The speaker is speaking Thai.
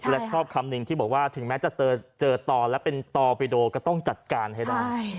และชอบคำหนึ่งที่บอกว่าถึงแม้จะเจอต่อและเป็นตอปิโดก็ต้องจัดการให้ได้